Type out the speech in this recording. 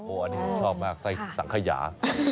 อันนี้ผมชอบมากไส้สังขยา